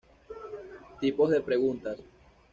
Tipos de preguntas.